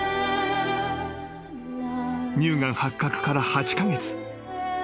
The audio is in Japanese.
［乳がん発覚から８カ月］